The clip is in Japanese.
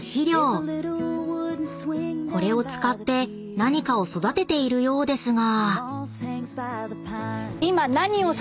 ［これを使って何かを育てているようですが］